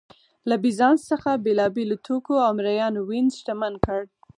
له بېزانس څخه بېلابېلو توکو او مریانو وینز شتمن کړ